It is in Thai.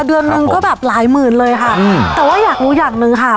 เดือนหนึ่งก็แบบหลายหมื่นเลยค่ะแต่ว่าอยากรู้อย่างหนึ่งค่ะ